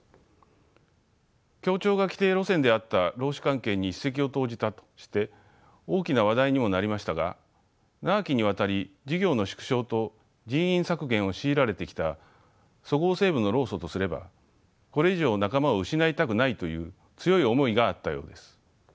協調が既定路線であった労使関係に一石を投じたとして大きな話題にもなりましたが長きにわたり事業の縮小と人員削減を強いられてきたそごう・西武の労組とすればこれ以上仲間を失いたくないという強い思いがあったようです。